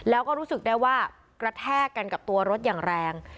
แล้วก็รู้สึกได้ว่ากระแทกกันกับตัวรถอย่างแรง